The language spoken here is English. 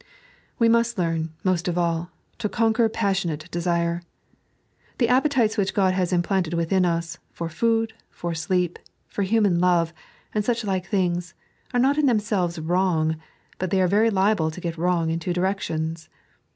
We must learn, most of all, to amquer passionate desire. The appetites which God has implanted within us, for food, for sleep, for human love, and such like things, are not in themselves wrong, but they are very liable to get wrong in two directions.